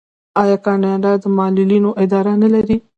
آیا کاناډا د معلولینو اداره نلري؟